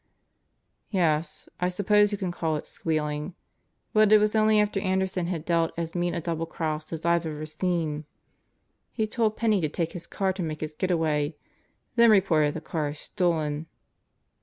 "Yes, I suppose you can call it squealing. But it was only after Anderson had dealt as mean a double cross as Fve ever seen. He told Penney to take his car to make his getaway. Then reported the car as stolen."